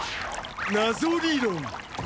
謎理論。